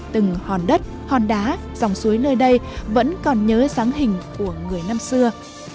từng hòn đất hòn đá dòng suối nơi đây vẫn còn nhớ sáng hình của người năm xưa